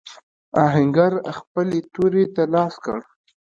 آهنګر خپلې تورې ته لاس کړ.